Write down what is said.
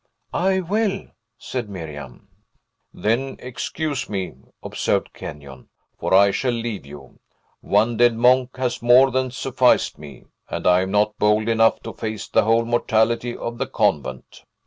"I will!" said Miriam. "Then excuse me," observed Kenyon; "for I shall leave you. One dead monk has more than sufficed me; and I am not bold enough to face the whole mortality of the convent."